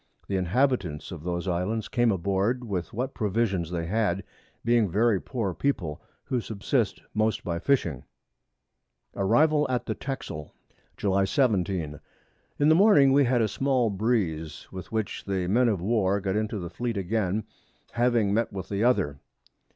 The Inhabitants of those Islands came aboard with what Provisions they had, being very poor People, who subsist most by Fishing. [Sidenote: Arrival at the Texel.] July 17. In the Morning we had a small Breeze, with which the Men of War got into the Fleet again, having met with the other.